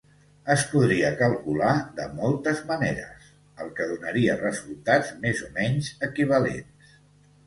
Es podria calcular de moltes maneres, el que donaria resultats més o menys equivalents.